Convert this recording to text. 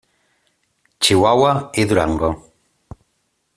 Chihuahua i Durango.